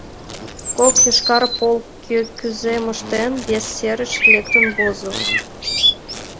Кок йошкар полк, кӧ кузе моштен, вес серыш лектын возо.